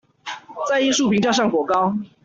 在藝術評價上頗高